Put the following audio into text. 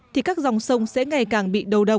thì các dòng sông sẽ ngày càng bị đầu độc